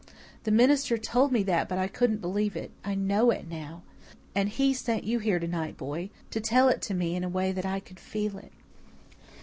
The minister told me that but I couldn't believe it. I KNOW it now. And He sent you here to night, boy, to tell it to me in a way that I could feel it."